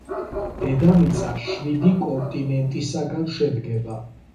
დედამიწა შვიდი კონტინეტისაგან შედგება